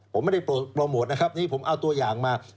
ผมไม่ได้โปรโมทนะครับนี่ผมเอาตัวอย่างมา